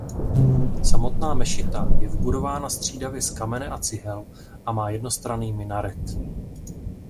Samotná mešita je vybudována střídavě z kamene a cihel a má jednostranný minaret.